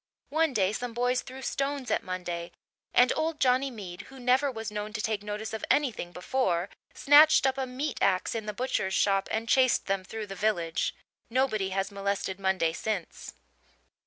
One day some boys threw stones at Monday and old Johnny Mead, who never was known to take notice of anything before, snatched up a meat axe in the butcher's shop and chased them through the village. Nobody has molested Monday since.